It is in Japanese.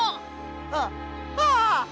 あっああ！